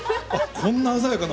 こんな鮮やかな。